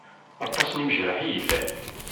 Aṭas n imejraḥ i yellan.